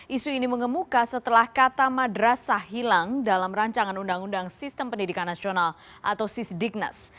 isu ini mengemuka setelah kata madrasah hilang dalam rancangan undang undang sistem pendidikan nasional atau sisdiknas